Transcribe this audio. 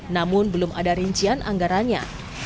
namun belum ada rincian anggarannya